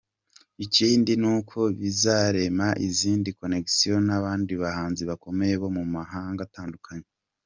Ikindi ni uko bizarema izindi connections n'abandi bahanzi bakomeye bo mu mahanga atandukanye.